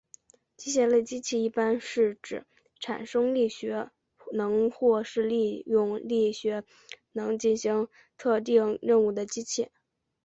机械类机器一般是指产生力学能或是利用力学能进行特定任务的机器。